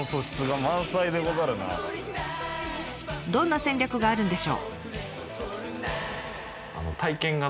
どんな戦略があるんでしょう？